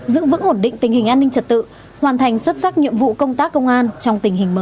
giữ vững ổn định tình hình an ninh trật tự hoàn thành xuất sắc nhiệm vụ công tác công an trong tình hình mới